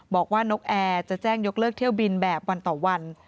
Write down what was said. นกแอร์จะแจ้งยกเลิกเที่ยวบินแบบวันต่อวัน